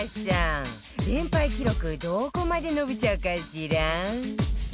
連敗記録どこまで伸びちゃうかしら？